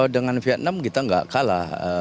dengan vietnam kita nggak kalah